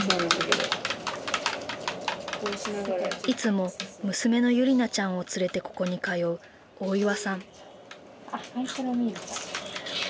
いつも娘のゆりなちゃんを連れてここに通う大岩さん。